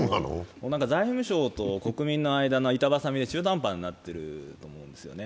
財務省と国民の間の板挟みで中途半端になってるんですよね。